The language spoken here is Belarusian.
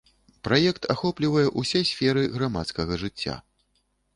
Праект ахоплівае ўсе сферы грамадскага жыцця.